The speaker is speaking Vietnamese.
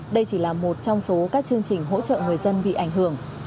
đây chỉ là một trong số các chương trình hỗ trợ người dân bị ảnh hưởng